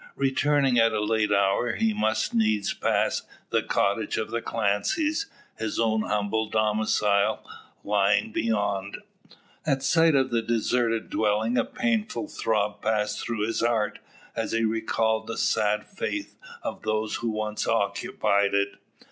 Returning at a late hour, he must needs pass the cottage of the Clancys, his own humble domicile lying beyond. At sight of the deserted dwelling a painful throb passed through his heart, as he recalled the sad fate of those who once occupied it.